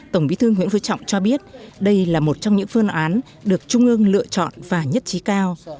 tổng bí thư nguyễn phú trọng cho biết đây là một trong những phương án được trung ương lựa chọn và nhất trí cao